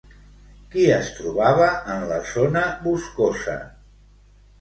Qui es trobava en la zona boscosa?